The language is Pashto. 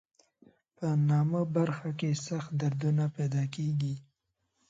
په نامه برخه کې سخت دردونه پیدا کېږي.